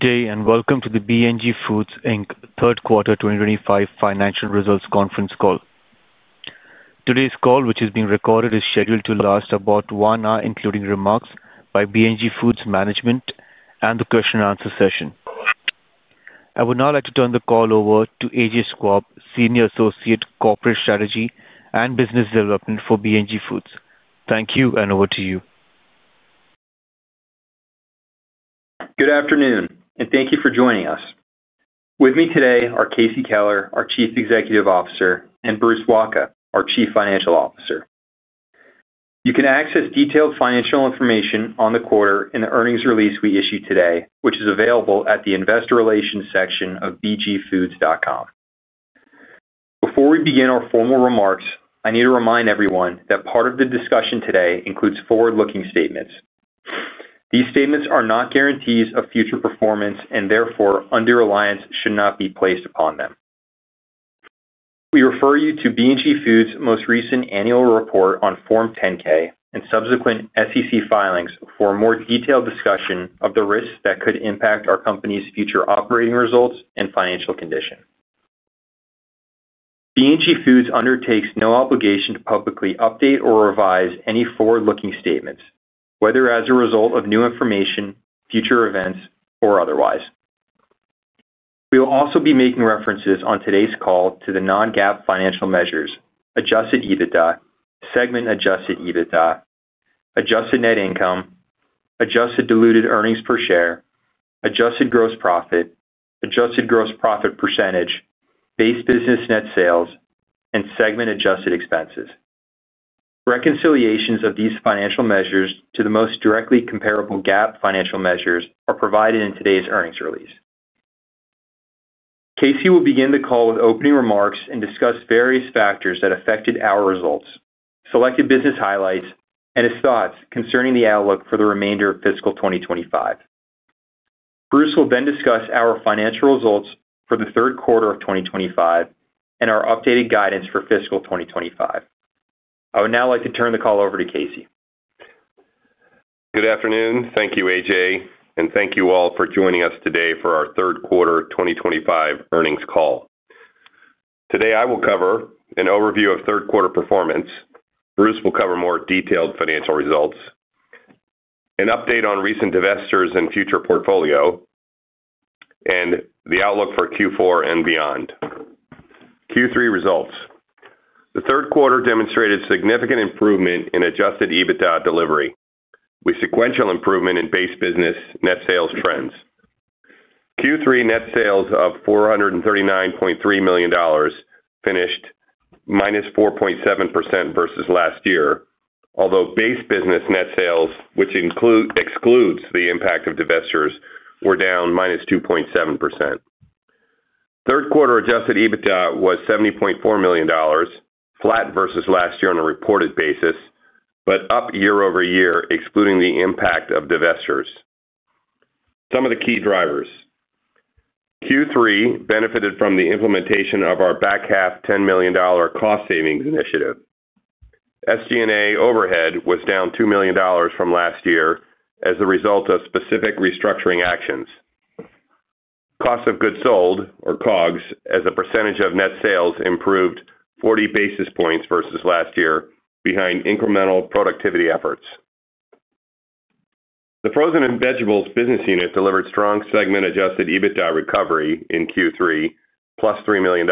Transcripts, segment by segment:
Good day and Welcome to the B&G Foods Third Quarter 2025 Financial Results Conference Call. Today's call, which is being recorded, is scheduled to last about one hour, including remarks by B&G Foods management and the question and answer session. I would now like to turn the call over to AJ Schwabe, Senior Associate, Corporate Strategy and Business Development for B&G Foods. Thank you and over to you. Good afternoon and thank you for joining us. With me today are Casey Keller, our Chief Executive Officer, and Bruce Wacha, our Chief Financial Officer. You can access detailed financial information on the quarter in the earnings release we issued today, which is available at the Investor Relations section of bgfoods.com. Before we begin our formal remarks, I need to remind everyone that part of the discussion today includes forward looking statements. These statements are not guarantees of future performance and therefore undue reliance should not be placed upon them. We refer you to B&G Foods' most recent Annual Report on Form 10-K and subsequent SEC filings for a more detailed discussion of the risks that could impact our company's future operating results and financial condition. B&G Foods undertakes no obligation to publicly update or revise any forward-looking statements, whether as a result of new information, future events or otherwise. We will also be making references on today's call to the non-GAAP financial measures, adjusted EBITDA, Segment adjusted EBITDA, Adjusted Net Income, Adjusted Diluted Earnings Per Share, Adjusted Gross Profit, Adjusted Gross Profit Percentage, Base Business Net Sales, and Segment Adjusted Expenses. Reconciliations of these financial measures to the most directly comparable GAAP financial measures are provided in today's earnings release. Casey will begin the call with opening remarks and discuss various factors that affected our results, selected business highlights, and his thoughts concerning the outlook for the remainder of fiscal 2025. Bruce will then discuss our financial results for the third quarter of 2025 and our updated guidance for fiscal 2025. I would now like to turn the. Call over to Casey. Good afternoon. Thank you AJ and thank you all for joining us today for our third quarter 2025 earnings call. Today I will cover an overview of third quarter performance. Bruce will cover more detailed financial results, an update on recent divestitures and future portfolio, and the outlook for Q4 and beyond. Q3 results, the third quarter demonstrated significant improvement in adjusted EBITDA delivery with sequential improvement in Base Business Net Sales trends. Q3 net sales of $439.3 million finished -4.7% versus last year, although Base Business Net Sales, which excludes the impact of divestitures, were down -2.7%. Third quarter adjusted EBITDA was $70.4 million, flat versus last year on a reported basis but up year-over-year excluding the impact of divestitures. Some of the key drivers, Q3 benefited from the implementation of our back half $10 million cost savings initiative. SG&A overhead was down $2 million from last year as a result of specific restructuring actions. Cost of goods sold or COGS as a percentage of net sales improved 40 basis points versus last year behind incremental productivity efforts. The frozen and vegetables business unit delivered strong segment adjusted EBITDA recovery in Q3 +$3 million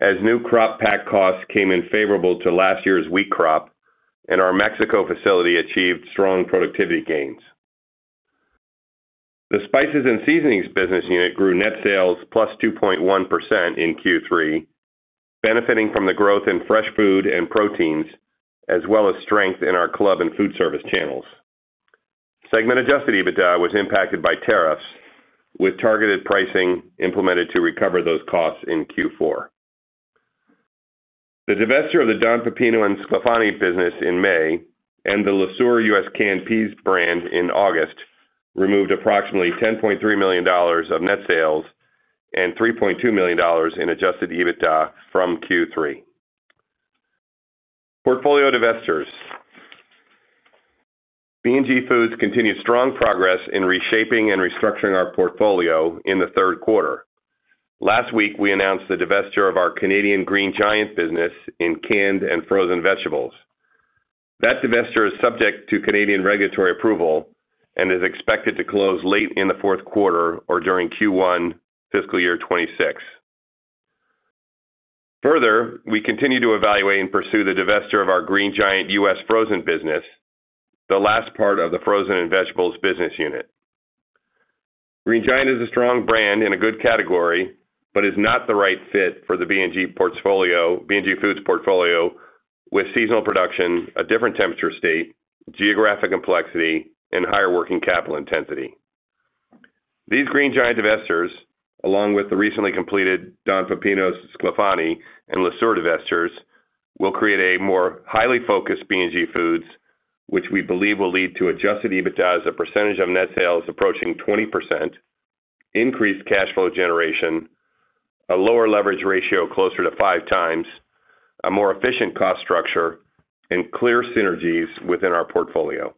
as new crop pack costs came in favorable to last year's wheat crop and our Mexico facility achieved strong productivity gains. The spices and seasonings business unit grew net sales +2.1% in Q3, benefiting from the growth in fresh food and proteins as well as strength in our club and food service channels. Segment adjusted EBITDA was impacted by tariffs with targeted pricing implemented to recover those costs in Q4. The divestiture of the Don Pepino and Sclafani business in May and Le Sueur u.s. canned peas brand in August removed approximately $10.3 million of net sales and $3.2 million in adjusted EBITDA from Q3 portfolio divestitures. B&G Foods continues strong progress in reshaping and restructuring our portfolio in the third quarter. Last week we announced the divestiture of our Canadian Green Giant business in canned and frozen vegetables. That divestiture is subject to Canadian regulatory approval and is expected to close late in the fourth quarter or during Q1 fiscal year 2026. Further, we continue to evaluate and pursue the divestiture of our Green Giant U.S. Frozen business, the last part of the frozen and vegetables business unit. Green Giant is a strong brand in a good category but is not the right fit for the B&G Foods portfolio. With seasonal production, a different temperature, state, geographic complexity and higher working capital intensity. These Green Giant divestitures along with the recently completed Don Pepino, Sclafani Le Sueur divestitures will create a more highly focused B&G Foods which we believe will lead to adjusted EBITDA as a percentage of net sales approaching 20%, increased cash flow generation, a lower leverage ratio closer to five times, a more efficient cost structure and clear synergies within our portfolio.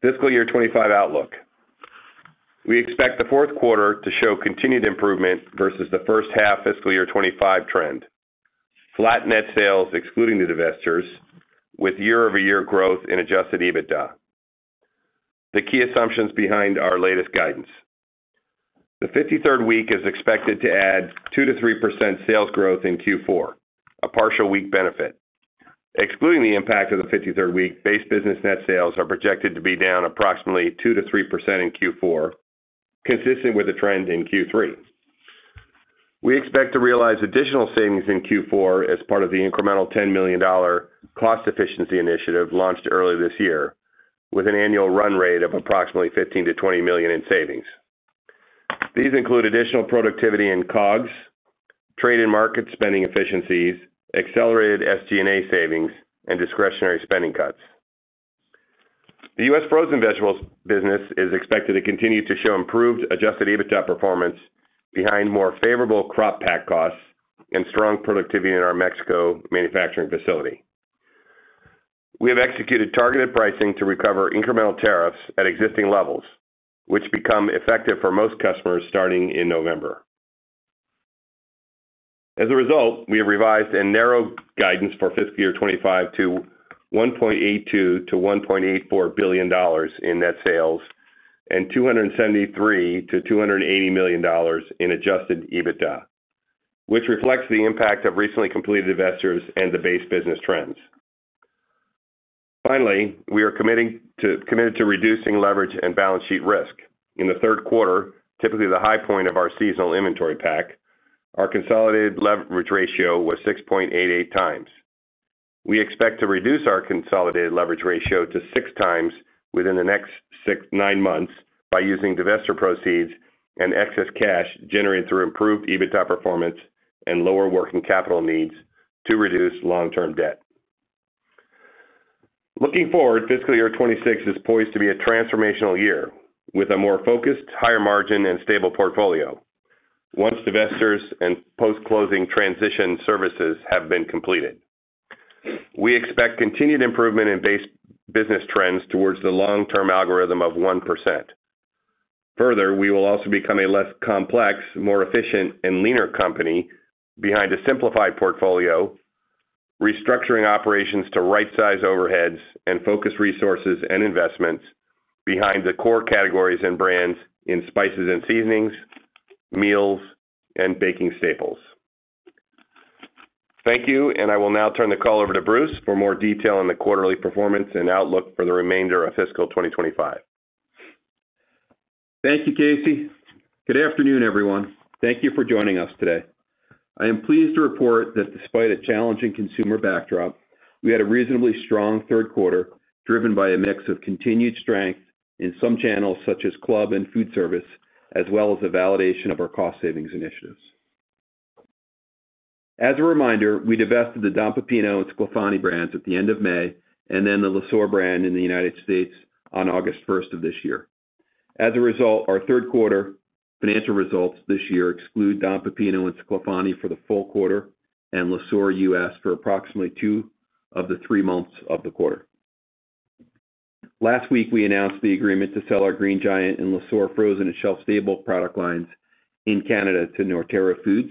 Fiscal Year 2025 outlook we expect the fourth quarter to show continued improvement versus the first half. Fiscal Year 2025 trend flat. Net sales excluding the divestitures with year-over-year growth in adjusted EBITDA. The key assumptions behind our latest guidance: the 53rd week is expected to add 2%-3% sales growth in Q4, a partial week benefit. Excluding the impact of the 53rd week, Base Business Net Sales are projected to be down approximately 2%-3% in Q4, consistent with the trend in Q3. We expect to realize additional savings in Q4 as part of the incremental $10 million cost efficiency initiative launched early this year, with an annual run rate of approximately $15 million-$20 million in savings. These include additional productivity in COGS, trade and market spending efficiencies, accelerated SGA savings, and discretionary spending cuts. The U.S. frozen vegetables business is expected to continue to show improved adjusted EBITDA performance behind more favorable crop pack costs and strong productivity in our Mexico manufacturing facility. We have executed targeted pricing to recover incremental tariffs at existing levels which become effective for most customers starting in November. As a result, we have revised and narrowed guidance for fiscal year 2025 to $1.82 billion-$1.84 billion in net sales and $273 million-$280 million in adjusted EBITDA, which reflects the impact of recently completed divestitures and the base business trends. Finally, we are committed to reducing leverage and balance sheet risk in the third quarter, typically the high point of our seasonal inventory pack. Our consolidated leverage ratio was 6.88 times. We expect to reduce our consolidated leverage ratio to six times within the next nine months by using divestiture proceeds and excess cash generated through improved EBITDA performance and lower working capital needs to reduce long term debt. Looking forward, fiscal year 2026 is poised to be a transformational year with a more focused, higher margin and stable portfolio. Once divestitures and post closing transition services have been completed, we expect continued improvement in base business trends towards the long term algorithm of 1%. Further, we will also become a less complex, more efficient and leaner company behind a simplified portfolio, restructuring operations to right size overheads and focus resources and investments behind the core categories and brands in spices and seasonings, meals and baking staples. Thank you and I will now turn the call over to Bruce for more detail on the quarterly performance and outlook for the remainder of fiscal 2025. Thank you, Casey. Good afternoon, everyone. Thank you for joining us today. I am pleased to report that despite a challenging consumer backdrop, we had a reasonably strong third quarter driven by a mix of continued strength in some channels such as club and food service as well as a validation of our cost savings initiatives. As a reminder, we divested the Don Pepino and Sclafani brands at the end of May and then Le Sueur brand in the United States on August 1st of this year. As a result, our third quarter financial results this year exclude Don Pepino and Sclafani for the full quarter Le Sueur for approximately two of the three months of the quarter. Last week we announced the agreement to sell our Green Giant Le Sueur frozen and Shelf Stable Product Lines in Canada to Nortera Foods.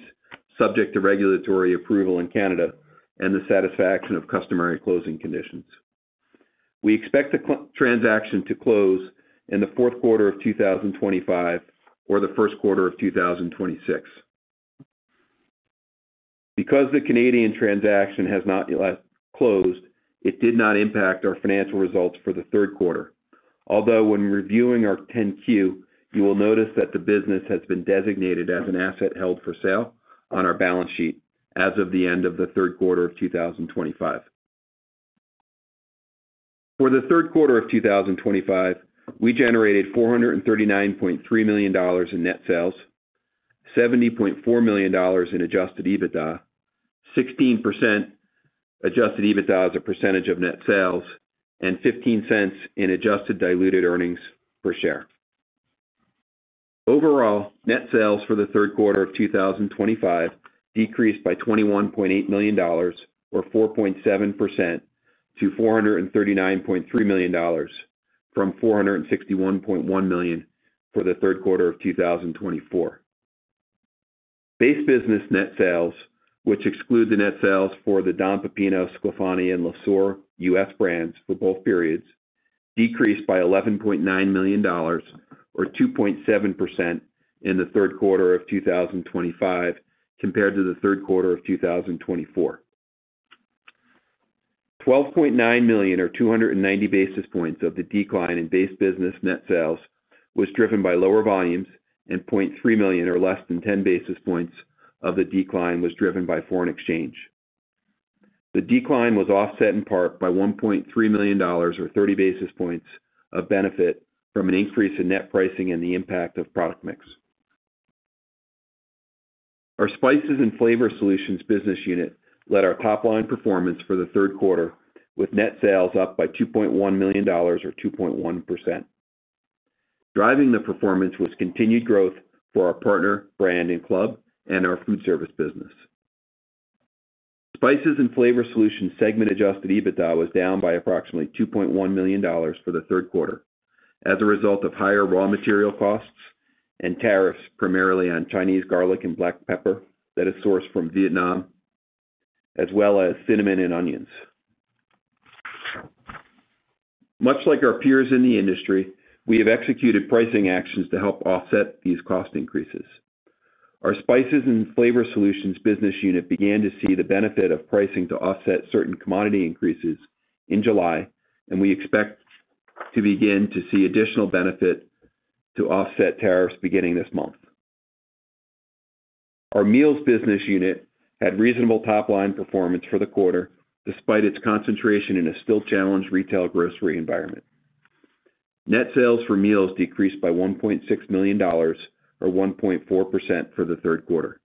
Subject to regulatory approval in Canada and the satisfaction of customary closing conditions, we expect the transaction to close in the fourth quarter of 2025 or the first quarter of 2026. Because the Canadian transaction has not closed, it did not impact our financial results for the third quarter, although when reviewing our 10-Q, you will notice that the business has been designated as an asset held for sale on our balance sheet as of the end of the third quarter of 2025. For the third quarter of 2025, we generated $439.3 million in net sales, $70.4 million in adjusted EBITDA, 16% adjusted EBITDA as a percentage of net sales, and $0.15 in adjusted diluted earnings per share. Overall net sales for the third quarter of 2025 decreased by $21.8 million, or 4.7%, to $439.3 million from $461.1 million for the third quarter of 2024. Base Business Net Sales, which exclude the net sales for the Don Pepino, Sclafani Le Sueur u.s. brands for both periods, decreased by $11.9 million, or 2.7%, in the third quarter of 2025 compared to the third quarter of 2024. $12.9 million, or 290 basis points of the decline in Base Business Net Sales was driven by lower volumes and $0.3 million or less than 10 basis points of the decline was driven by foreign exchange. The decline was offset in part by $1.3 million or 30 basis points of benefit from an increase in net pricing and the impact of product mix. Our spices and flavor solutions business unit led our top line performance for the third quarter with net sales up by $2.1 million or 2.1%. Driving the performance was continued growth for our partner brand and club and our food service business Spices and Flavor Solutions segment. Adjusted EBITDA was down by approximately $2.1 million for the third quarter as a result of higher raw material costs and tariffs primarily on Chinese garlic and black pepper that is sourced from Vietnam as well as cinnamon and onions. Much like our peers in the industry we have executed pricing actions to help offset these cost increases. Our Spices and Flavor Solutions business unit began to see the benefit of pricing to offset certain commodity increases in July and we expect to begin to see additional benefit to offset tariffs beginning this month. Our meals business unit had reasonable top line performance for the quarter despite its concentration in a still challenged retail grocery environment. Net sales for Meals decreased by $1.6 million, or 1.4% for the third quarter.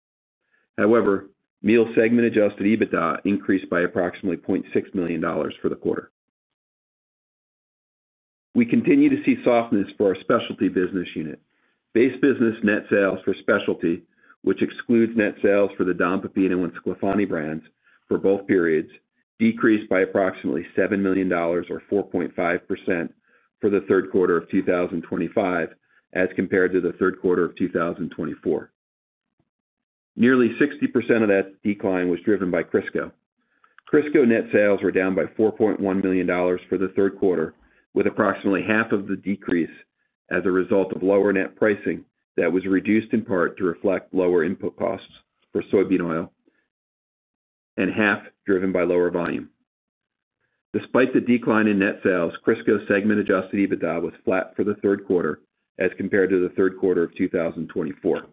However, Meals segment adjusted EBITDA increased by approximately $0.6 million for the quarter. We continue to see softness for our specialty business unit. Base Business Net Sales for specialty, which excludes net sales for the Don Pepino and Sclafani brands for both periods, decreased by approximately $7 million, or 4.5% for the third quarter of 2025 as compared to the third quarter of 2024. Nearly 60% of that decline was driven by Crisco. Crisco net sales were down by $4.1 million for the third quarter, with approximately half of the decrease as a result of lower net pricing that was reduced in part to reflect lower input costs for soybean oil and half driven by lower volume. Despite the decline in net sales, Crisco segment adjusted EBITDA was flat for the third quarter as compared to the third quarter of 2024.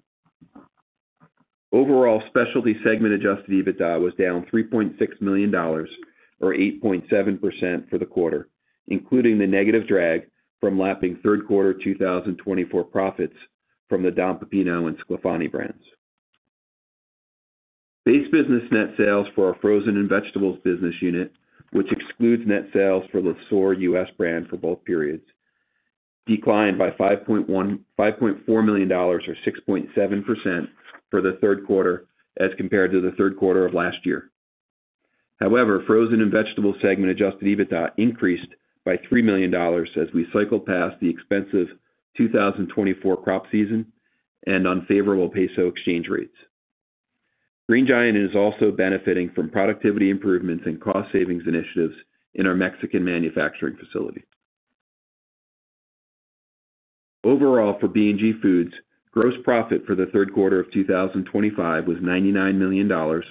Overall, Specialty segment adjusted EBITDA was down $3.6 million, or 8.7% for the quarter, including the negative drag from lapping third quarter 2024 profits from the Don Pepino and Sclafani brands. Base business. Net sales for our frozen and vegetables business unit, which excludes net sales Le Sueur u.s. brand for both periods, declined by $5.4 million, or 6.7% for the third quarter as compared to the third quarter of last year. However, frozen and vegetable segment adjusted EBITDA increased by $3 million as we cycled past the expensive 2024 crop season and unfavorable peso exchange rates. Green Giant is also benefiting from productivity improvements and cost savings initiatives in our Mexican manufacturing facility. Overall, for B&G Foods, gross profit for the third quarter of 2025 was $99 million, or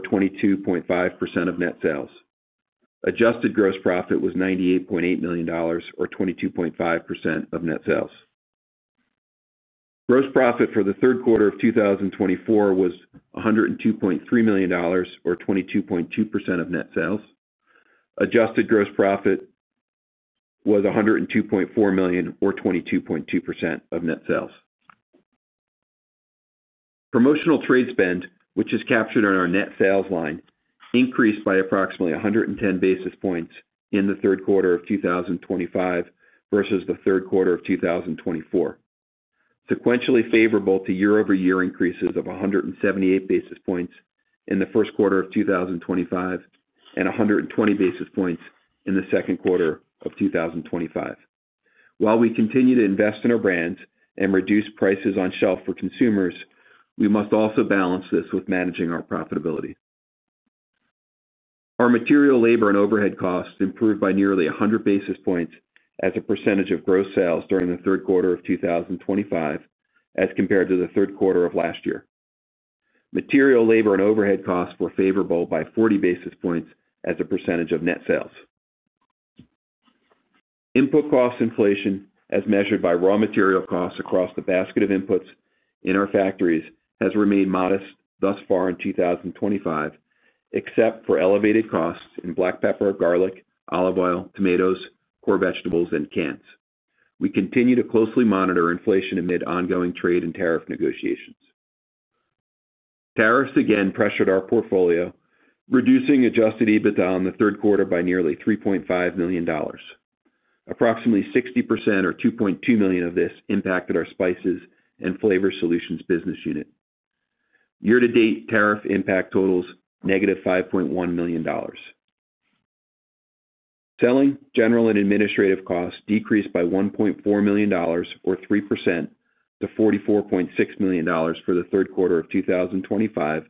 22.5% of net sales. adjusted gross rofit was $98.8 million, or 22.5% of net sales. Gross profit for the third quarter of 2024 was $102.3 million, or 22.2% of net sales. Adjusted Gross Profit was $102.4 million, or 22.2% of net sales. Promotional trade spend, which is captured on our net sales line, increased by approximately 110 basis points in the third quarter of 2025 versus the third quarter of 2024. Sequentially favorable to year-over-year increases of 178 basis points in the first quarter of 2025 and 120 basis points in the second quarter of 2025. While we continue to invest in our brands and reduce prices on shelf for consumers, we must also balance this with managing our profitability. Our material labor and overhead costs improved by nearly 100 basis points as a percentage of gross sales during the third quarter of 2025 as compared to the third quarter of last year. Material labor and overhead costs were favorable by 40 basis points as a percentage of net sales. Input cost inflation, as measured by raw material costs across the basket of inputs in our factories, has remained modest thus far in 2025 except for elevated costs in black pepper, garlic, olive oil, tomatoes, core vegetables, and cans. We continue to closely monitor inflation amid ongoing trade and tariff negotiations. Tariffs again pressured our portfolio, reducing adjusted EBITDA in the third quarter by nearly $3.5 million. Approximately 60%, or 2.2 million of this impacted our spices and flavor solutions business unit. Year to date tariff impact totals -$5.1 million. Selling, general and administrative costs decreased by $1.4 million, or 3%, to $44.6 million for the third quarter of 2025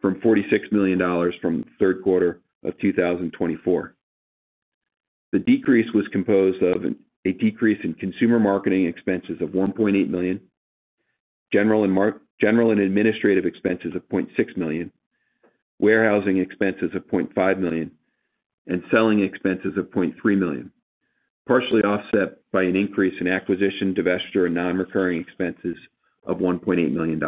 from $46 million for the third quarter of 2024. The decrease was composed of a decrease in consumer marketing expenses of $1.8 million, general and administrative expenses of $0.6 million, warehousing expenses of $0.5 million, and selling expenses of $0.3 million, partially offset by an increase in acquisition, divestiture and non-recurring expenses of $1.8 million.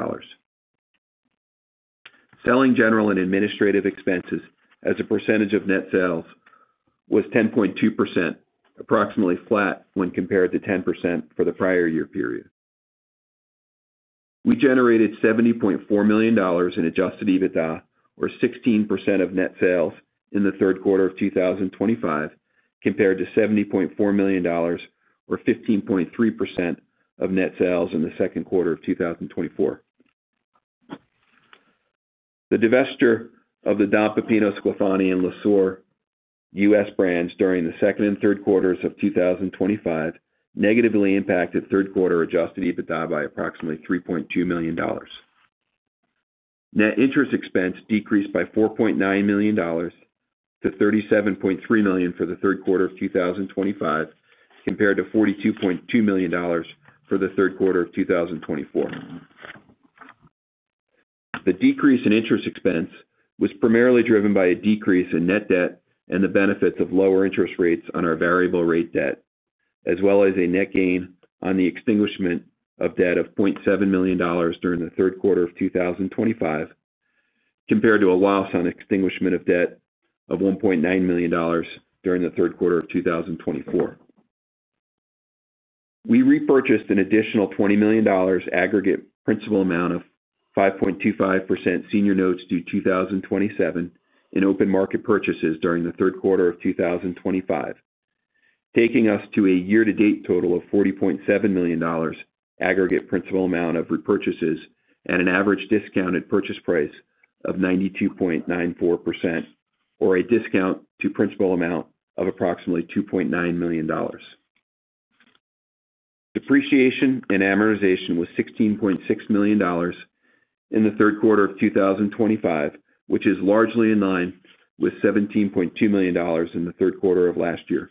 Selling, general and administrative expenses as a percentage of net sales was 10.2%, approximately flat when compared to 10% for the prior year period. We generated $70.4 million in adjusted EBITDA or 16% of net sales in the third quarter of 2025 compared to $70.4 million or 15.3% of net sales in the second quarter of 2024. The divestiture of the Don Pepino, Sclafani Le Sueur U.S. branch during the second and third quarters of 2025 negatively impacted third quarter adjusted EBITDA by approximately $3.2 million. Net interest expense decreased by $4.9 million to $37.3 million for the third quarter of 2025 compared to $42.2 million for the third quarter of 2024. The decrease in interest expense was primarily driven by a decrease in net debt and the benefits of lower interest rates on our variable rate debt as well as a net gain on the extinguishment of debt of $0.7 million during the third quarter of 2025 compared to a loss on extinguishment of debt of $1.9 million during the third quarter of 2024. We repurchased an additional $20 million aggregate principal amount of 5.25% senior notes due 2027 in open market purchases during the third quarter of 2025, taking us to a year to date total of $40.7 million aggregate principal amount of repurchases at an average discounted purchase price of 92.94% or a discount to principal amount of approximately $2.9 million. Depreciation and amortization was $16.6 million in the third quarter of 2025, which is largely in line with $17.2 million in the third quarter of last year.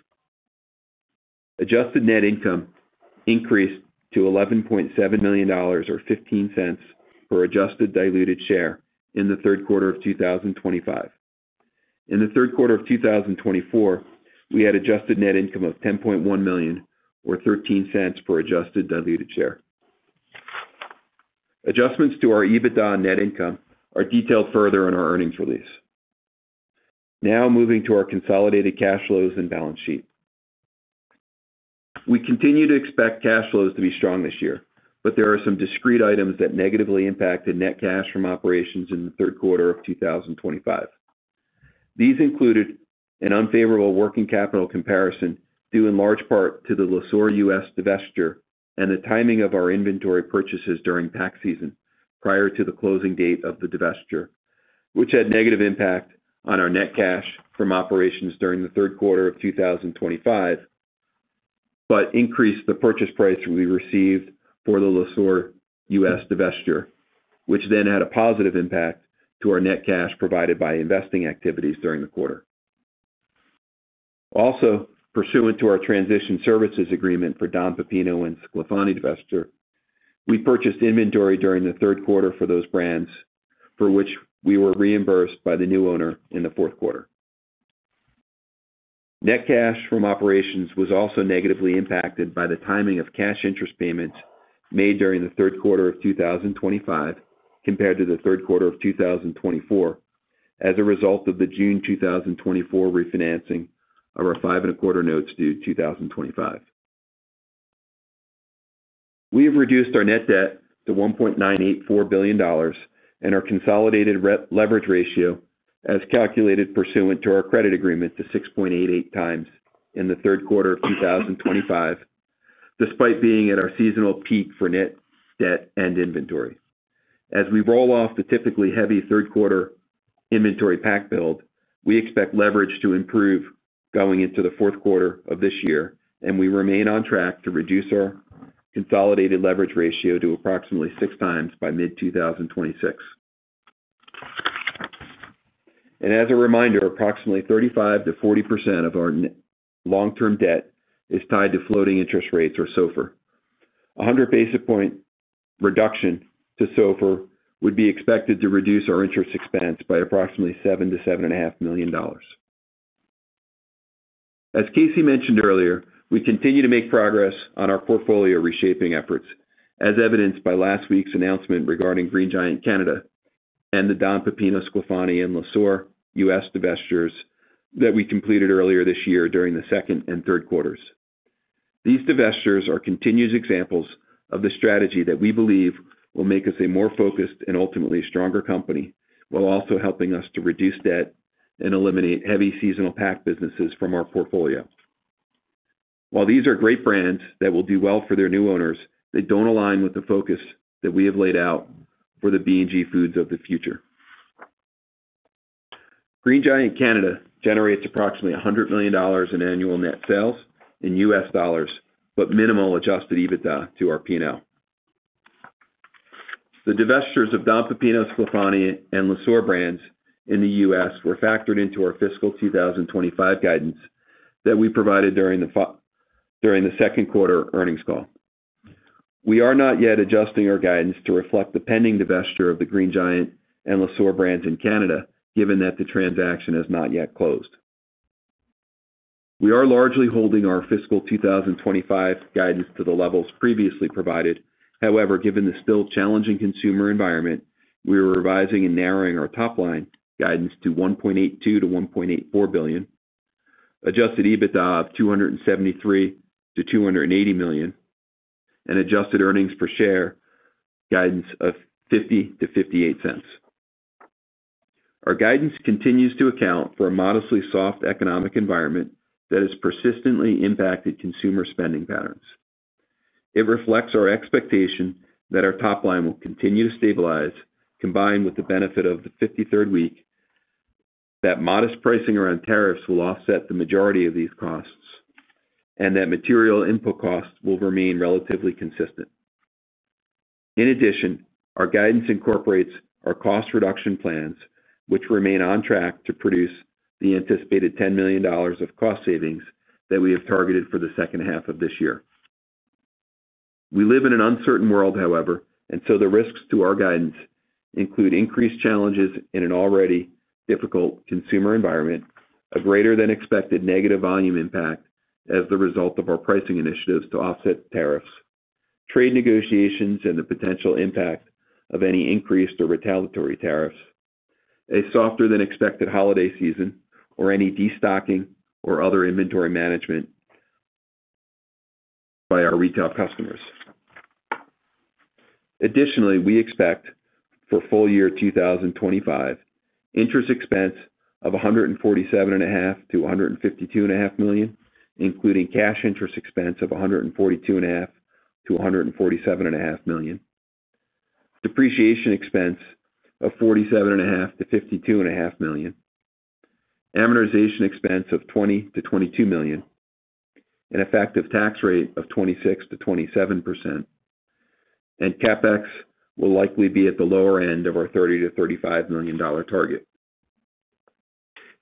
Adjusted net income increased to $11.7 million, or $0.15 per adjusted diluted share in the third quarter of 2025. In the third quarter of 2024, we had adjusted net income of $10.1 million or $0.13 per adjusted diluted share. Adjustments to our EBITDA net income are detailed further in our earnings release. Now moving to our consolidated cash flows and balance sheet. We continue to expect cash flows to be strong this year, but there are some discrete items that negatively impacted net cash from operations in the third quarter of 2025. These included an unfavorable working capital comparison due in large part to Le Sueur U.S. divestiture and the timing of our inventory purchases during tax season prior to the closing date of the divestiture, which had negative impact on our net cash from operations during the third quarter of 2025 but increased the purchase price we received for Le Sueur U.S. divestiture, which then had a positive impact to our net cash provided by investing activities during the quarter. Also, pursuant to our transition services agreement for Don Pepino and Sclafani Divestiture, we purchased inventory during the third quarter for those brands for which we were reimbursed by the new owner in the fourth quarter. Net cash from operations was also negatively impacted by the timing of cash interest payments made during the third quarter of 2025 compared to the third quarter of 2024 as a result of the June 2024 refinancing of our five and a quarter notes due 2025. We have reduced our net debt to $1.984 billion and our consolidated leverage ratio as calculated pursuant to our credit agreement to 6.88x in the third quarter of 2025. Despite being at our seasonal peak for net debt and inventory, as we roll off the typically heavy third quarter inventory pack build, we expect leverage to improve going into the fourth quarter of this year and we remain on track to reduce our consolidated leverage ratio to approximately six times by mid-2026. As a reminder, approximately 35%-40% of our long term debt is tied to floating interest rates or SOFR. 100 basis point reduction to SOFR would be expected to reduce our interest expense by approximately $7 million-$7.5 million. As Casey mentioned earlier, we continue to make progress on our portfolio reshaping efforts as evidenced by last week's announcement regarding Green Giant Canada and the Don Pepino, Sclafani Le Sueur U.S.. divestitures that we completed earlier this year during the second and third quarters. These divestitures are continuous examples of the strategy that we believe will make us a more focused and ultimately stronger company while also helping us to reduce debt and eliminate heavy seasonal pack businesses from our portfolio. While these are great brands that will do well for their new owners, they do not align with the focus that we have laid out for the B&G Foods of the future. Green Giant Canada generates approximately $100 million in annual net sales in U.S. dollars but minimal adjusted EBITDA to our P&L. The divestitures of Don Pepino, Sclafani Le Sueur brands in the U.S. were factored into our fiscal 2025 guidance that we provided during the second quarter earnings call. We are not yet adjusting our guidance to reflect the pending divestiture of the Green Giant Le Sueur brands in Canada. Given that the transaction has not yet closed, we are largely holding our fiscal 2025 guidance to the levels previously provided. However, given the still challenging consumer environment, we are revising and narrowing our top line guidance to $1.82 billion-$1.84 billion, adjusted EBITDA of $273 million-$280 million and adjusted earnings per share guidance of $0.50-$0.58. Our guidance continues to account for a modestly soft economic environment that has persistently impacted consumer spending patterns. It reflects our expectation that our top line will continue to stabilize combined with the benefit of the 53rd week, that modest pricing around tariffs will offset the majority of these costs, and that material input costs will remain relatively consistent. In addition, our guidance incorporates our cost reduction plans, which remain on track to produce the anticipated $10 million of cost savings that we have targeted for the second half of this year. We live in an uncertain world, however, and so the risks to our guidance include increased challenges in an already difficult consumer environment, a greater than expected negative volume impact as the result of our pricing initiatives to offset tariffs, trade negotiations and the potential impact of any increased or retaliatory tariffs, a softer than expected holiday season, or any destocking or other inventory management by our retail customers. Additionally, we expect for full year 2025 interest expense of $147.5 million-$152.5 million, including cash interest expense of $142.5 million-$147.5 million, depreciation expense of $47.5 million-$52.5 million, amortization expense of $20 million-$22 million, an effective tax rate of 26%-27%, and CapEx will likely be at the lower end of our $30 million-$35 million target.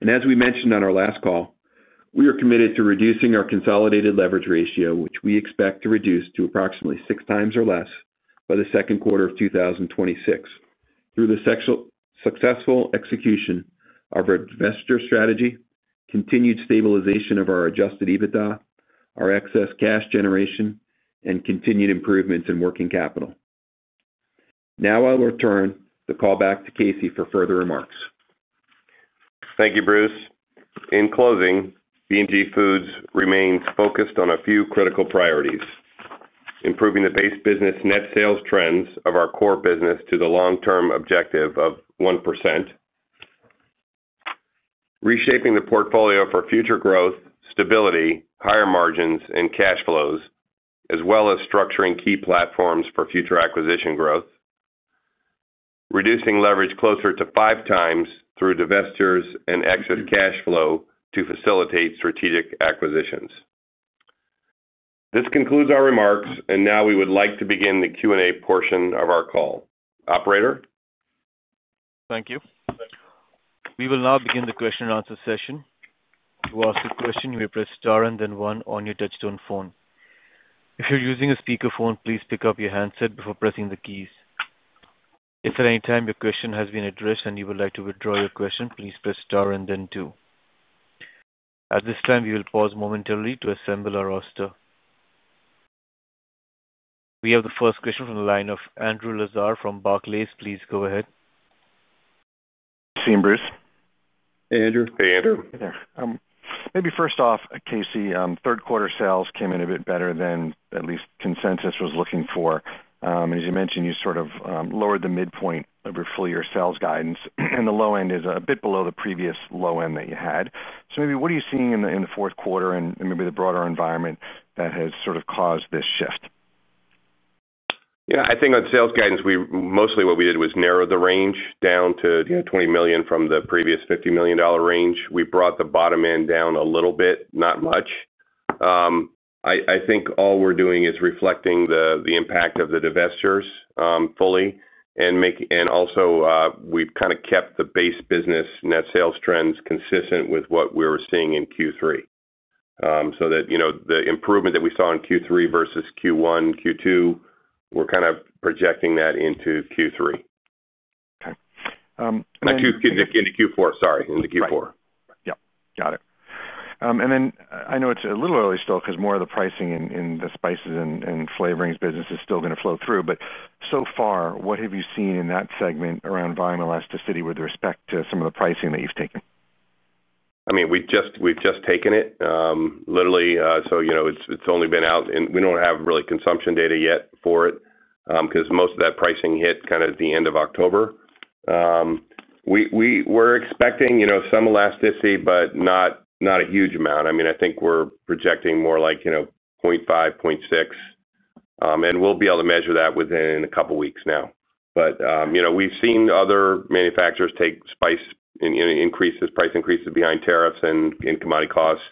As we mentioned on our last call, we are committed to reducing our consolidated leverage ratio, which we expect to reduce to approximately six times or less by the second quarter of 2026 through the successful execution of our divestiture strategy, continued stabilization of our adjusted EBITDA, our excess cash generation, and continued improvements in working capital. Now I will turn the call back to Casey for further remarks. Thank you, Bruce. In closing, B&G Foods remains focused on a few critical priorities. Improving the base business, net sales trends of our core business to the long term objective of 1%, reshaping the portfolio for future growth, stability, higher margins and cash flows, as well as structuring key platforms for future acquisition growth, reducing leverage closer to five times through divestitures and excess cash flow to facilitate strategic acquisitions. This concludes our remarks, and now we would like to begin the Q&A portion of our call. Operator, thank you. We will now begin the question and answer session. To ask a question, you may press star and then one on your touchtone phone. If you're using a speakerphone, please pick up your handset before pressing the keys. If at any time your question has been addressed and you would like to withdraw your question, please press star and then two. At this time we will pause momentarily to assemble our roster. We have the first question from the line of Andrew Lazar from Barclays. Please go ahead. Maybe first off, Casey, third quarter sales. Came in a bit better than that. Least consensus was looking for. As you mentioned, you sort of lowered the midpoint of your full year sales guidance, and the low end is a bit below the previous low end that you had. Maybe what are you seeing in the fourth quarter and maybe the broader environment that has sort of caused this shift? Yes, I think on sales guidance, mostly what we did was narrow the range down to $20 million from the previous $50 million range. We brought the bottom end down a little bit, not much. I think all we're doing is reflecting the impact of the divestitures fully. And also we've kind of kept the Base Business Net Sales trends consistent with what we were seeing in Q3. So that the improvement that we saw in Q3 versus Q1, Q2, we're kind of projecting that into Q3. Into Q4. Sorry, into Q4. Yep, got it. I know it's a little early still because more of the pricing. In the spices and flavorings business is. Still going to flow through. So far, what have you seen in that segment around volume elasticity with respect to some of the pricing that you've taken? I mean, we've just taken it literally. So, you know, it's only been out and we don't have really consumption data yet for it because most of that pricing hit kind of at the end of October. We're expecting, you know, some elasticity, but not a huge amount. I mean, I think we're projecting more like, you know, 0.5, 0.6, and we'll be able to measure that within a couple weeks now. But, you know, we've seen other manufacturers take spice increases, price increases behind tariffs and commodity costs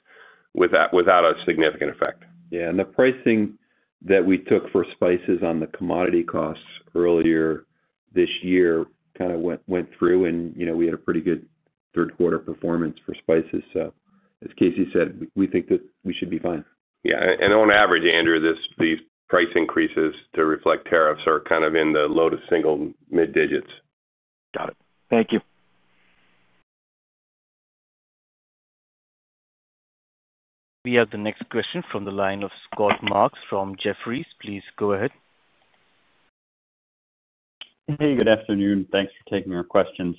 without a significant effect. Yeah. The pricing that we took for spices on the commodity costs earlier this year kind of went through. You know, we had a pretty good third quarter performance for spices. As Casey said, we think that we should be fine. Yeah. On average, Andrew, these price increases to reflect tariffs are kind of in the low to single mid digits. Got it. Thank you. We have the next question from the line of Scott Marks from Jefferies. Please go ahead. Hey, good afternoon. Thanks for taking your questions.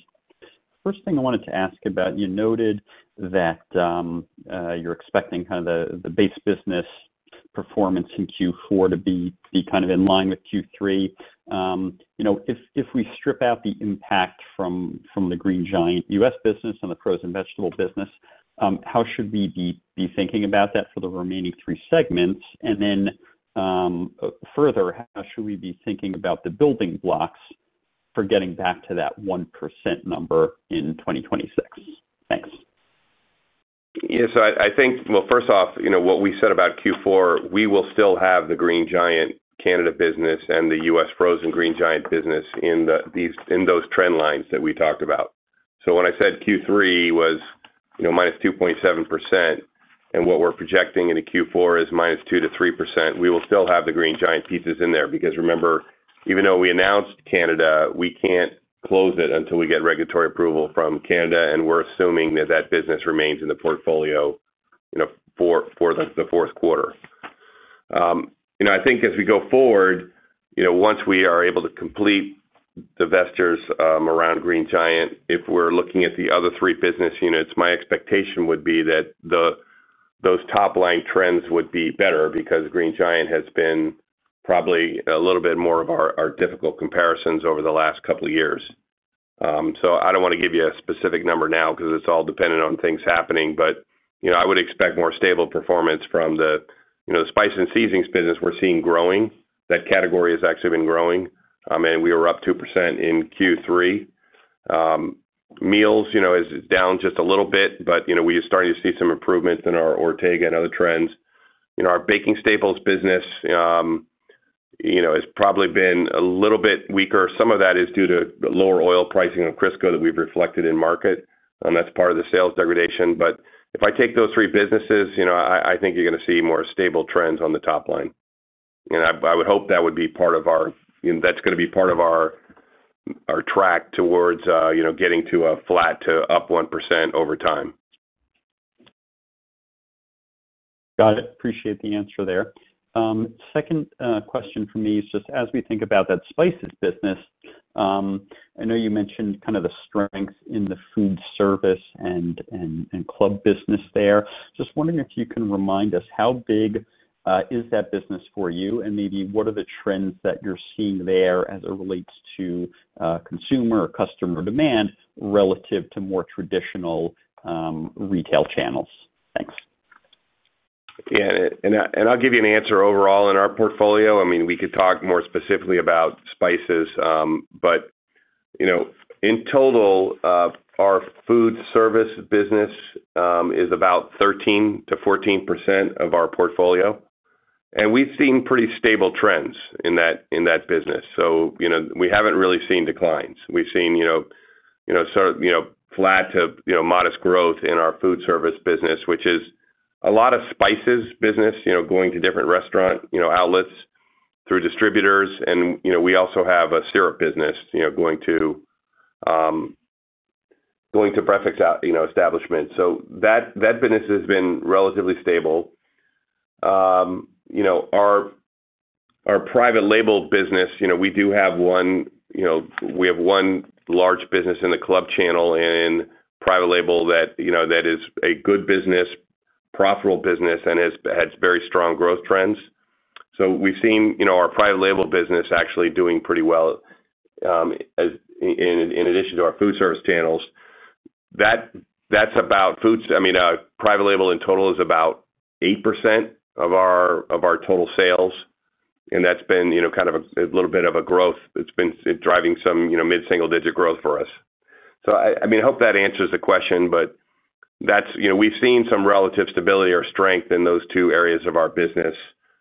First thing I wanted to ask about, you noted that you're expecting kind of the base business performance in Q4 to be kind of in line with Q3. You know, if we strip out the impact from the Green Giant U.S. business and the frozen vegetable business, how should we be thinking about that for the remaining three segments? And then further, how should we be thinking about the building blocks for getting back to that 1% number in 2026. Thanks. Yes, I think. First off, what we said about Q4, we will still have the Green Giant Canada business and the U.S. Frozen Green Giant business in those trend lines that we talked about. When I said Q3 was -2.7% and what we're projecting in Q4 is -2% - 3%, we will still have the Green Giant pizzas in there because remember, even though we announced Canada, we can't close it until we get regulatory approval from Canada. We're assuming that that business remains in the portfolio for the fourth quarter. I think as we go forward, once we are able to complete divestitures around Green Giant, if we're looking at the other three business units, my expectation would be that those top line trends would be better because Green Giant has been probably a little bit more of our difficult comparisons over the last couple of years. I do not want to give you a specific number now because it's all dependent on things happening. I would expect more stable performance from the spice and seasonings business. We're seeing growing. That category has actually been growing and we were up 2% in Q3. Meals is down just a little bit, but we are starting to see some improvements in our Ortega and other trends. Our baking staples business has probably been a little bit weaker. Some of that is due to lower oil pricing on Crisco that we've reflected in market. That's part of the sales degradation. If I take those three businesses, I think you're going to see more stable trends on the top line. I would hope that would be part of our that's going to be part of our track towards getting to a flat to up 1% over time. Got it. Appreciate the answer there. Second question for me is just as we think about that spices business, I know you mentioned kind of the strength in the food service and club business there. Just wondering if you can remind us how big is that business for you and maybe what are the trends that you're seeing there as it relates to consumer customer demand relative to more traditional retail channels. Thanks. Yeah. I'll give you an answer overall in our portfolio. I mean, we could talk more specifically about spices, but in total our food service business is about 13%-14% of our portfolio and we've seen pretty stable trends in that business. We haven't really seen declines. We've seen flat to modest growth in our food service business, which is a lot of spices business going to different restaurant outlets through distributors, and we also have a syrup business going to breakfast establishments. That business has been relatively stable. Our private label business, we do have one, we have one large business in the club channel and private label that is a good business, profitable business, and has had very strong growth trends. We've seen, you know, our private label business actually doing pretty well in addition to our food service channels. That's about food. I mean private label in total is about 8% of our total sales and that's been, you know, kind of a little bit of a growth that's been driving some, you know, mid single digit growth for us. I mean I hope that answers the question but we've seen some relative stability or strength in those two areas of our business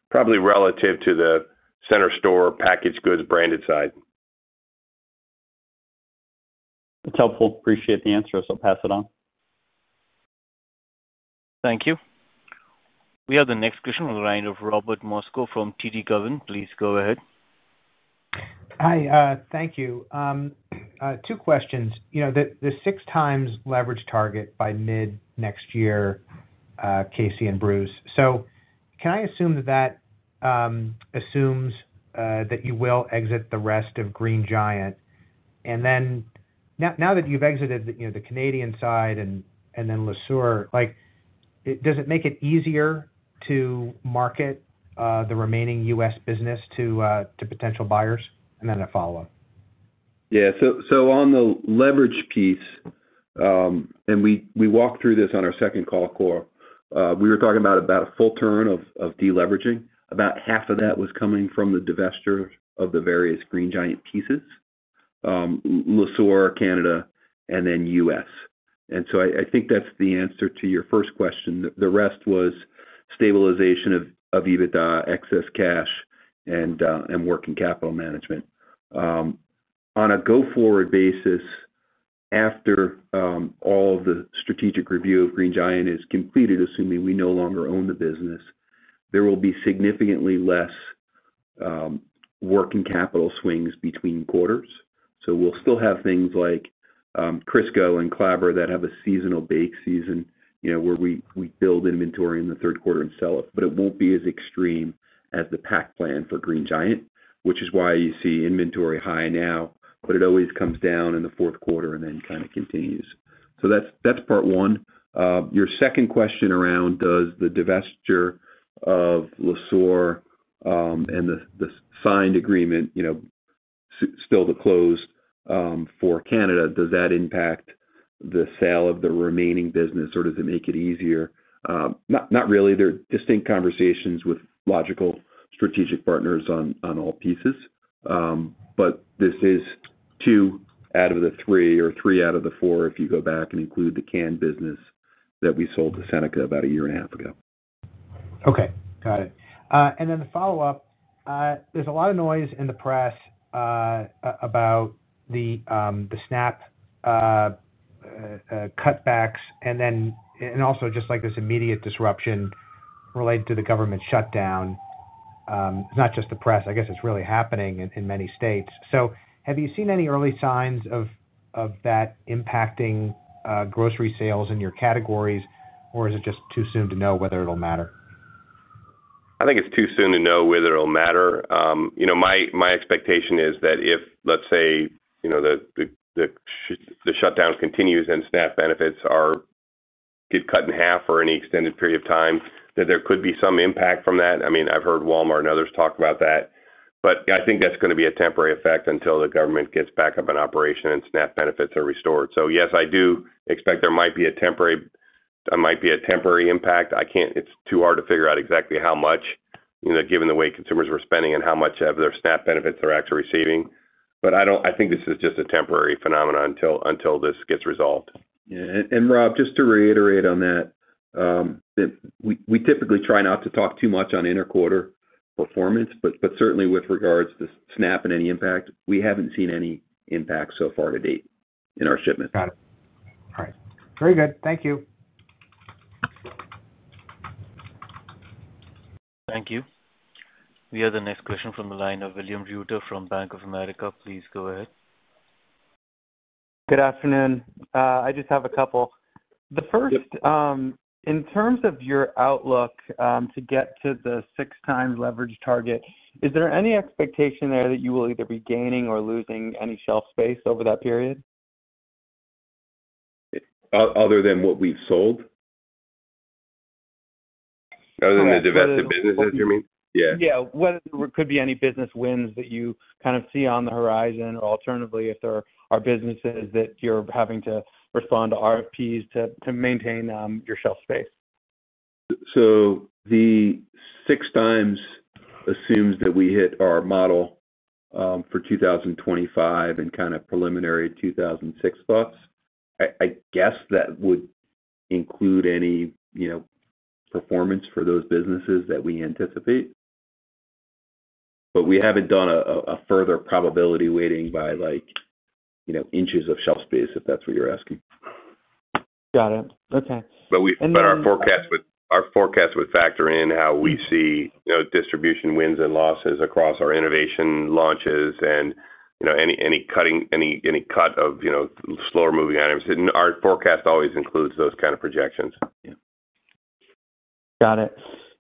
probably relative to the center store packaged goods branded side. That's helpful. Appreciate the answer. I'll pass it on. Thank you. We have the next question on the line of Robert Moskow from TD Cowen. Please go ahead. Hi. Thank you. Two questions. The six times leverage target by mid next year. Casey and Bruce, can I assume that that assumes that you will exit the rest of Green Giant then, now that you've exited the Canadian side and then Le Sueur, does it make it easier to market the remaining U.S. business to potential buyers and then a follow up? Yeah. On the leverage piece, and we walked through this on our second call, Core, we were talking about about a full turn of deleveraging. About half of that was coming from the divestiture of the various Green Giant pieces, Le Sueur, Canada and then U.S., and I think that's the answer to your first question. The rest was stabilization of EBITDA, excess cash, and working capital management on a go forward basis. After all the strategic review of Green Giant is completed, assuming we no longer own the business, there will be significantly less working capital swings between quarters. We'll still have things like Crisco and Clabber that have a seasonal bake season where we build inventory in the third quarter and sell it. It will not be as extreme as the pact plan for Green Giant, which is why you see inventory high now, but it always comes down in the fourth quarter and then kind of continues. That is part one. Your second question around, does the divestiture Le Sueur and the signed agreement still to close for Canada, does that impact the sale of the remaining business or does it make it easier? Not really. They are distinct conversations with logical strategic partners on all pieces. This is two out of the three or three out of the four if you go back and include the can business that we sold to Seneca about a year and a half ago. Okay, got it. The follow up, there's a lot of noise in the press about the SNAP cutbacks. Also just like this immediate disruption related to the government shutdown. It's not just the press. I guess it's really happening in many states. Have you seen any early signs of that impacting grocery sales in your categories or is it just too soon to know whether it'll matter? I think it's too soon to know whether it'll matter. My expectation is that if, let's say the shutdown continues and SNAP benefits get cut in half for any extended period of time, that there could be some impact from that. I mean, I've heard Walmart and others talk about that, but I think that's going to be a temporary effect until the government gets back up in operation and SNAP benefits are restored. Yes, I do expect there might be a temporary, might be a temporary impact. It's too hard to figure out exactly how much, given the way consumers were spending and how much of their SNAP benefits they're actually receiving. I think this is just a temporary phenomenon until this gets resolved. Rob, just to reiterate on that, we typically try not to talk too much on inter quarter performance, but certainly with regards to SNAP and any impact, we have not seen any impact so far to date in our shipment. Very good. Thank you. Thank you. We have the next question from the line of William Reuter from Bank of America. Please go ahead. Good afternoon. I just have a couple. The first, in terms of your outlook to get to the six time leverage target, is there any expectation there that you will either be gaining or losing any shelf space over that period? Other than what we've sold. Other than the divested businesses, you mean? Yeah, yeah. Could be any business wins that you kind of see on the horizon. Alternatively, if there are businesses that you're having to respond to RFPs to maintain your shelf space. The six dimes assumes that we hit our model for 2025 and kind of preliminary 2026 thoughts, I guess that would include any performance for those businesses that we anticipate, but we have not done a further probability weighting by like inches of shelf space, if that is what you are asking. Got it. Okay. Our forecast would factor in how we see distribution wins and losses across our innovation launches and, you know, any cut of, you know, slower moving items. Our forecast always includes those kind of projections. Got it.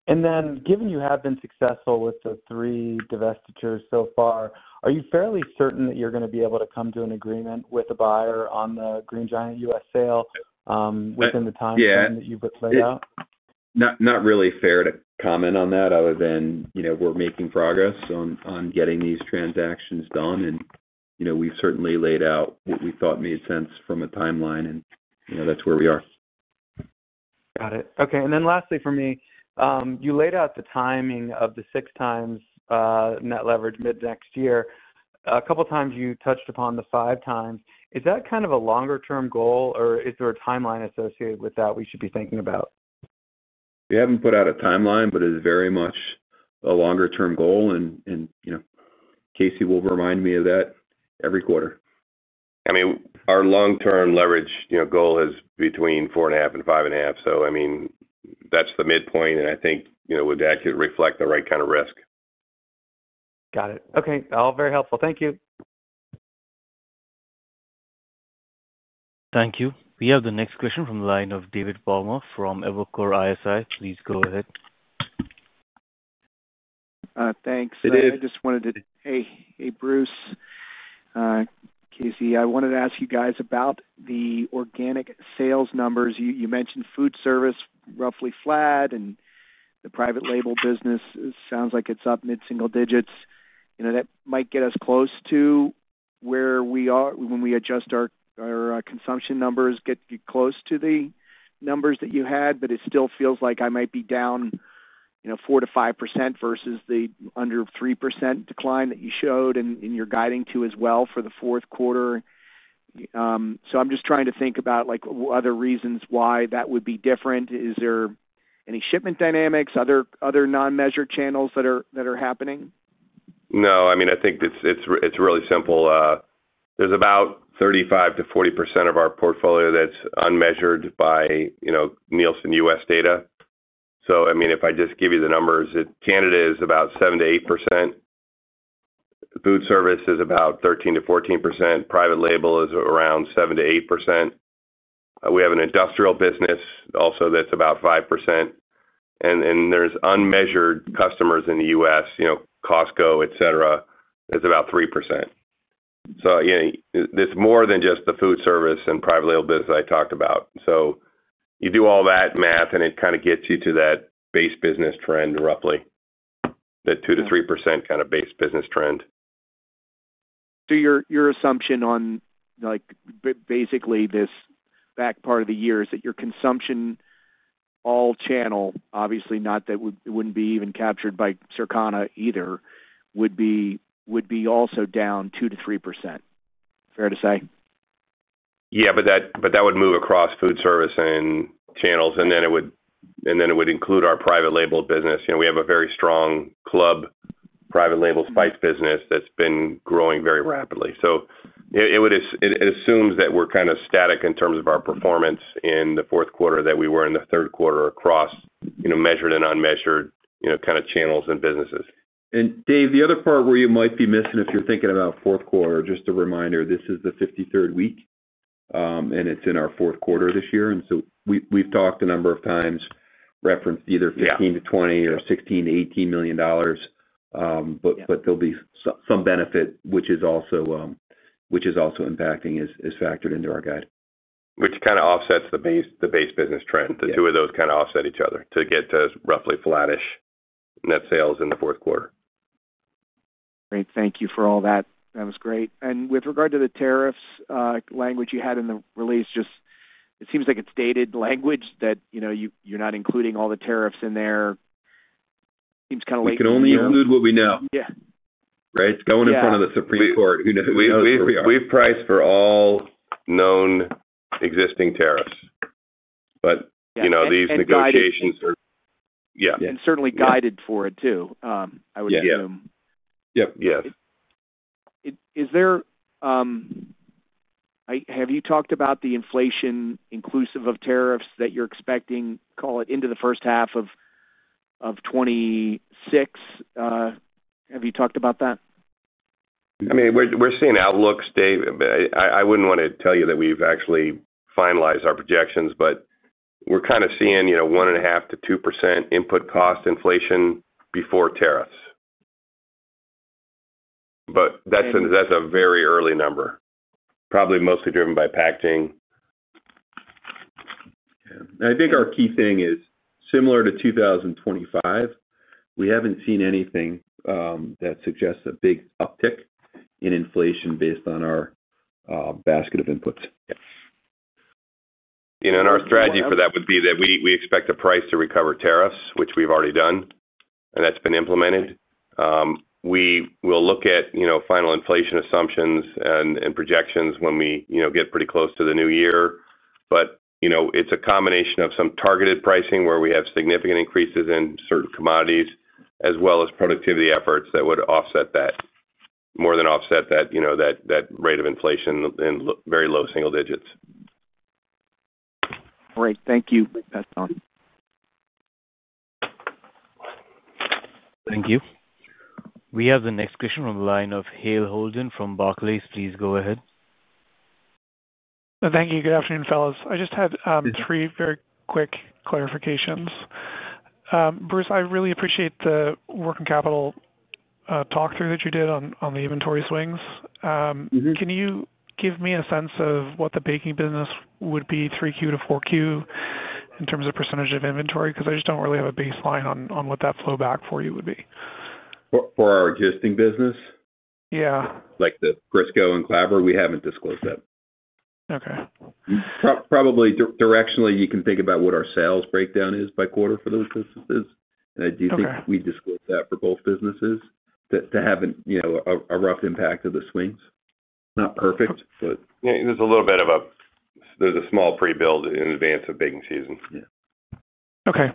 And then given you have been successful with the three divestitures so far, are you fairly certain that you're going to be able to come to an agreement with a buyer on the Green Giant U.S. sale within the time frame that you've laid out? Not really fair to comment on that other than, you know, we're making progress on getting these transactions done and we certainly laid out what we thought made sense from a timeline and that's where we are. Got it. Okay. Lastly for me, you laid out the timing of the 6x net leverage mid next year. A couple times you touched upon the five times. Is that kind of a longer term goal or is there a timeline associated with that we should be thinking about? We haven't put out a timeline, but it is very much a longer term goal, and Casey will remind me of that every quarter. I mean our long term leverage goal is between 4.5 and 5.5. I mean that's the midpoint and I think that could reflect the right kind of risk. Got it. Okay. All very helpful. Thank you. Thank you. We have the next question from the line of David Palmer from Evercore ISI. Please go ahead. Thanks. I just wanted to. Hey Bruce, Casey. I wanted to ask you guys about the organic sales numbers you mentioned. Food service roughly flat and the private label business sounds like it's up mid single digits. You know that might get us close to where we are when we adjust our consumption numbers. Get close to the numbers that you had. It still feels like I might be down 4%-5% versus the under 3% decline that you showed and you're guiding to as well for the fourth quarter. I'm just trying to think about other reasons why that would be different. Is there any shipment dynamics, other non measured channels that are happening? No, I mean I think it's really simple. There's about 35%-40% of our portfolio that's unmeasured by Nielsen U.S. data. I mean if I just give you the numbers, Canada is about 7%-8%, food service is about 13%-14%. Private label is around 7%-8%. We have an industrial business also that's about 5%. There's unmeasured customers in the U.S., you know, Costco, et cetera, that's about 3%. It's more than just the food service and private label business I talked about. You do all that math and it kind of gets you to that base business trend, roughly that 2%-3% kind of base business trend. Your assumption on basically this back part of the year is that your consumption all channel obviously, not that it wouldn't be even captured by Circana either, would be also down 2%-3%. Fair to say? Yeah, but that would move across foodservice and channels and then it would include our private label business. We have a very strong club private label spice business that's been growing very rapidly. It assumes that we're kind of static in terms of our performance in the fourth quarter that we were in the third quarter across measured and unmeasured kind of channels and businesses. Dave, the other part where you might be missing if you're thinking about fourth quarter, just a reminder, this is the 53rd week and it's in our fourth quarter this year. We've talked a number of times referenced either $15 million-$20 million or $16 million-$18 million. There'll be some benefit which is also impacting, is factored into our guide. Which kind of offsets the base business trend. The two of those kind of offset each other to get to roughly flattish net sales in the fourth quarter. Great. Thank you for all that. That was great. With regard to the tariffs language you had in the release, just it seems like it is dated language that, you know, you are not including all the tariffs in there. It's kind of like can only include what we know. Yeah, right. Going in front of the Supreme Court. We've priced for all known existing tariffs. You know, these negotiations. Yeah, and certainly guided for it too, I would assume. Yep. Yes. Is there. Have you talked about the inflation inclusive of tariffs that you're expecting? Call it into 1H 2026. Have you talked about that? I mean, we're seeing outlooks. Dave, I wouldn't want to tell you that we've actually finalized our projections, but we're kind of seeing, you know, 1.5%-2% input cost inflation before tariffs. But that's a very early number, probably mostly driven by pacting. I think our key thing is similar to 2025. We haven't seen anything that suggests a big uptick in inflation based on our basket of inputs. Our strategy for that would be that we expect the price to recover tariffs, which we've already done and that's been implemented. We will look at final inflation assumptions and projections when we get pretty close to the new year. It is a combination of some targeted pricing where we have significant increases in certain commodities as well as productivity efforts that would offset that, more than offset that, you know, that rate of inflation in very low single digits. Great, thank you. Thank you. We have the next question from the line of Hale Holden from Barclays. Please go ahead. Thank you. Good afternoon, fellows. I just had three very quick clarifications. Bruce, I really appreciate the working capital talk through that you did on the inventory swings. Can you give me a sense of what the baking business would be 3Q to 4Q in terms of percentage of inventory? Because I just do not really have a baseline on what that flow back for. You would be for our existing business. Yeah, like the Crisco and Clabber. We haven't disclosed that. Okay. Probably directionally you can think about what our sales breakdown is by quarter for those business. I do think we disclosed that for both businesses to have a rough impact of the swings. Not perfect, but there's a little bit of a, there's a small pre-build in advance of baking season. Okay.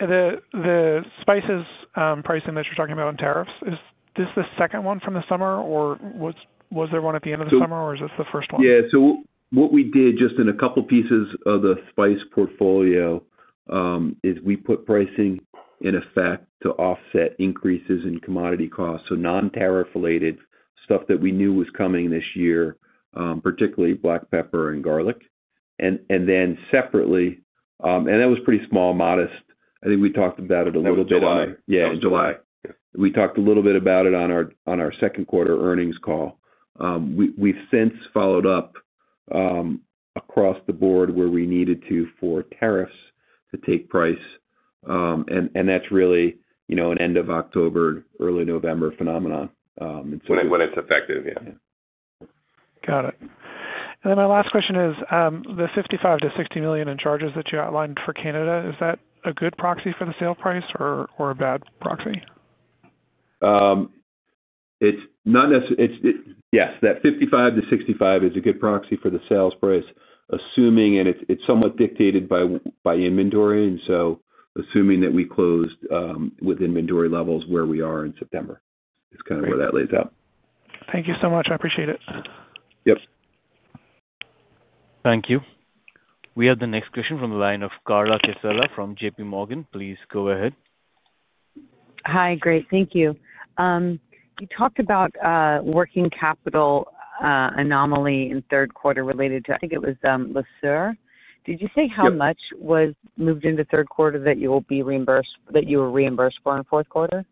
The spices pricing that you're talking about on tariffs, is this the second one from the summer or was there one at the end of the summer or is this the first one? Yeah. What we did just in a couple pieces of the spice portfolio is we put pricing in effect to offset increases in commodity costs. Non-tariff related stuff that we knew was coming this year, particularly black pepper and garlic. Separately, and that was pretty small, modest. I think we talked about it a little bit. In July we talked a little bit about it on our second quarter earnings call. We have since followed up across the board where we needed to for tariffs to take price. That is really an end of October, early November phenomenon when it is effective. Yeah, got it. My last question is the $55 million-$60 million in charges that you outlined for Canada, is that a good proxy for the sale price or a bad proxy? It's not. Yes. That $55-$65 is a good proxy for the sales price assuming and it's somewhat dictated by inventory. Assuming that we closed with inventory levels where we are in September is kind of where that lays out. Thank you so much. I appreciate it. Yep, thank you. We have the next question from the line of Carla Casella from JPMorgan. Please go ahead. Hi, great. Thank you. You talked about working capital anomaly in third quarter related to, I think it was Le Sueur. Did you say how much was moved into third quarter that you will be reimbursed, that you were reimbursed for in fourth quarter?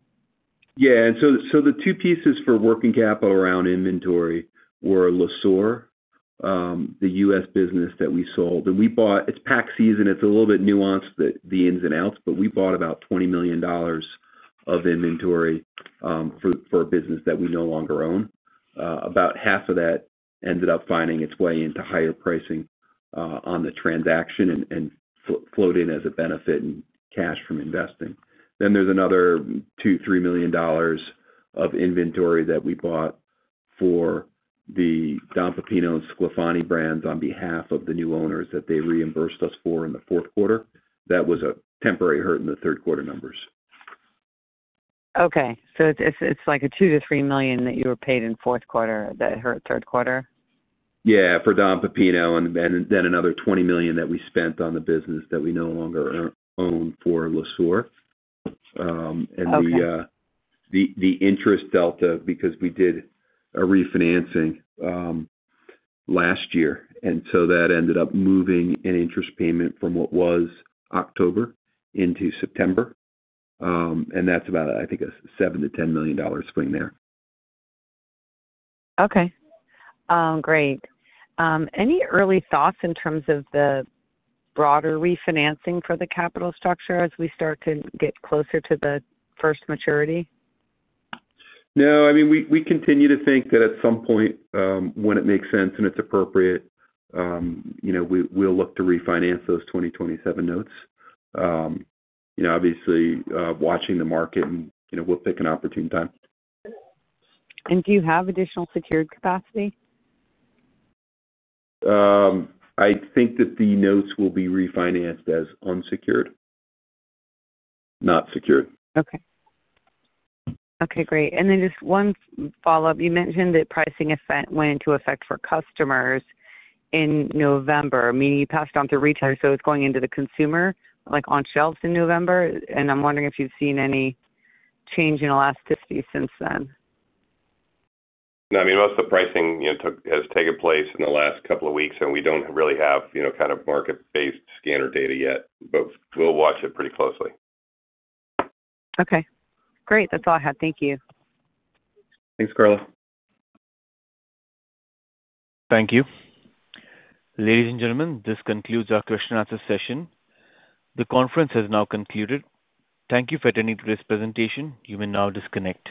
Yeah. The two pieces for working capital around inventory were Le Sueur, the U.S. business that we sold and we bought. It's pack season. It's a little bit nuanced, the ins and outs, but we bought about $20 million of inventory for a business that we no longer own. About half of that ended up finding its way into higher pricing on the transaction and flowed in as a benefit in cash from investing. There is another $2 million-$3 million of inventory that we bought for the Don Pepino and Sclafani brands on behalf of the new owners that they reimbursed us for in the fourth quarter. That was a temporary hurt in the third quarter numbers. Okay, so it's like a $2 million-$3 million that you were paid in fourth quarter that hurt third quarter? Yeah, for Don Pepino and then another $20 million that we spent on the business that we no longer own Le Sueur and the interest delta because we did a refinancing last year. That ended up moving an interest payment from what was October into September, and that's about, I think, a $7 million-$10 million swing there. Okay, great. Any early thoughts in terms of the broader refinancing for the capital structure as we start to get closer to the first maturity? No. I mean, we continue to think that at some point when it makes sense and it's appropriate, you know, we'll look to refinance those 2027 notes, you know, obviously watching the market and, you know, we'll pick an opportune time and do. You have additional secured capacity? I think that the notes will be refinanced as unsecured, not secured. Okay. Okay, great. Just one follow up. You mentioned that pricing effect went into effect for customers in November, meaning you passed on to retailers. It is going into the consumer like on shelves in November. I am wondering if you have seen any change in elasticity since then. No. I mean, most of the pricing has taken place in the last couple of weeks and we don't really have, you know, kind of market based scanner data yet, but we'll watch it pretty closely. Okay, great. That's all I had. Thank you. Thanks, Carla. Thank you. Ladies and gentlemen, this concludes our question and answer session. The conference has now concluded. Thank you for attending today's presentation. You may now disconnect.